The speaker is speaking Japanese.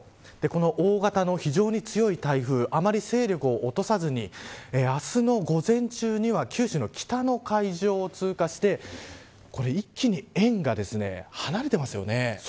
この大型の非常に強い台風あまり勢力を落とさずに明日の午前中には九州の北の海上を通過して一気に円が離れてますよね。